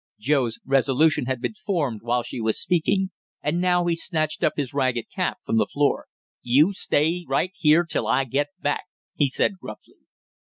Joe's resolution had been formed while she was speaking, and now he snatched his ragged cap from the floor. "You stay right here till I get back!" he said gruffly.